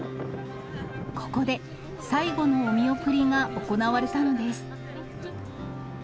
ここで、最後のお見送りが行われたのです。